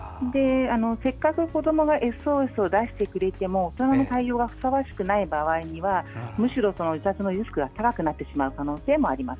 せっかく、子どもがＳＯＳを出してくれても大人の対応がふさわしくない場合にはむしろ、自殺のリスクが高くなってしまうこともあります。